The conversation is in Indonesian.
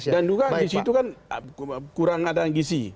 dan juga di situ kan kurang ada yang ngisi